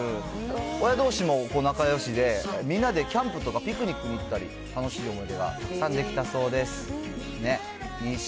親どうしも仲よしで、みんなでキャンプとかピクニックに行ったり、楽しい思い出がたくさん出来たそうです。